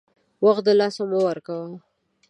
وخت دلاسه مه ورکوه !